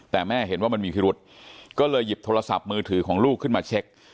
แต่แม่เห็นว่ามันมีพิรุษก็เลยหยิบโทรศัพท์มือถือของลูกขึ้นมาเช็ค